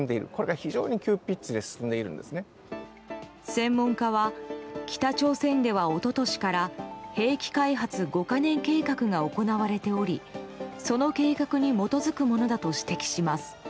専門家は北朝鮮ではおととしから兵器開発５か年計画が行われておりその計画に基づくものだと指摘します。